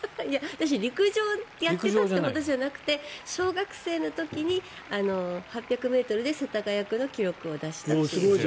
私、陸上をやってたってほどじゃなくて小学生の時に８００ｍで世田谷区の記録を出した。